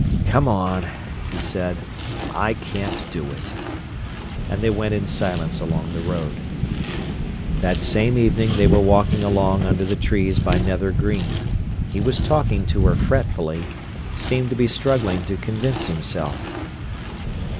"Come on," he said. "I can't do it;" and they went in silence along the road. That same evening they were walking along under the trees by Nether Green. He was talking to her fretfully, seemed to be struggling to convince himself.